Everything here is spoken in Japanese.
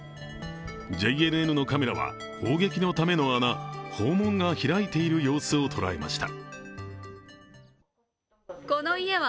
ＪＮＮのカメラは砲撃のための穴、砲門が開いている様子を捉えました。